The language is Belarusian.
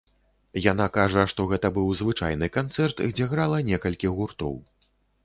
Яна кажа, што гэта быў звычайны канцэрт, дзе грала некалькі гуртоў.